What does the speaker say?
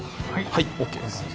ＯＫです。